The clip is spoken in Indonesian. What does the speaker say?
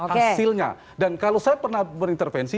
hasilnya dan kalau saya pernah berintervensi